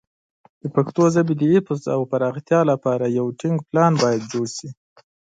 د پښتو ژبې د حفظ او پراختیا لپاره یو ټینګ پلان باید جوړ شي.